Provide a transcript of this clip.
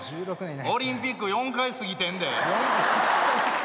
オリンピック４回過ぎてんで。